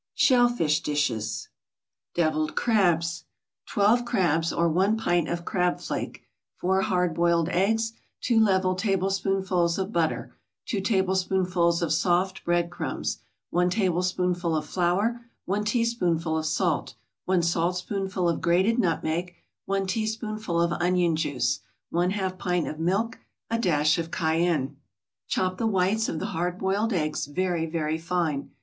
SHELL FISH DISHES DEVILED CRABS 12 crabs, or one pint of crab flake 4 hard boiled eggs 2 level tablespoonfuls of butter 2 tablespoonfuls of soft bread crumbs 1 tablespoonful of flour 1 teaspoonful of salt 1 saltspoonful of grated nutmeg 1 teaspoonful of onion juice 1/2 pint of milk A dash of cayenne Chop the whites of the hard boiled eggs very, very fine.